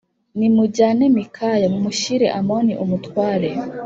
Nimujyane Mikaya mumushyire Amoni umutware